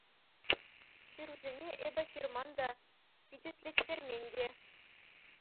— Ҫырусене эпӗ ҫырман та, пичетлеттермен те.